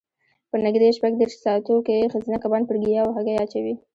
په نږدې شپږ دېرش ساعتو کې ښځینه کبان پر ګیاوو هګۍ اچوي.